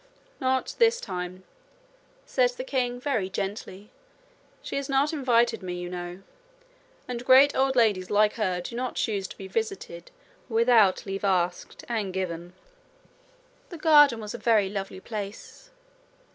'Not this time,' said the king very gently. 'She has not invited me, you know, and great old ladies like her do not choose to be visited without leave asked and given.' The garden was a very lovely place.